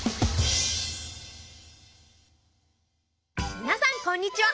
みなさんこんにちは。